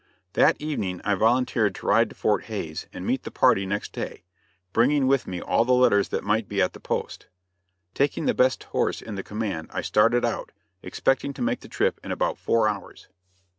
That evening I volunteered to ride to Fort Hays and meet the party next day, bringing with me all the letters that might be at the post. Taking the best horse in the command I started out, expecting to make the trip in about four hours.